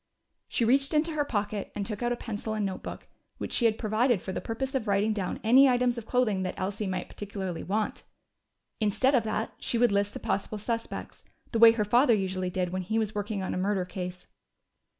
She reached into her pocket and took out a pencil and notebook, which she had provided for the purpose of writing down any items of clothing that Elsie might particularly want. Instead of that, she would list the possible suspects, the way her father usually did when he was working on a murder case.